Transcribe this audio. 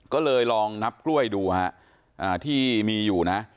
ก็เลยลองนับกล้วยดูฮะที่มีอยู่นะ